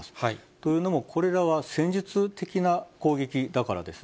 というのも、これらは戦術的な攻撃だからです。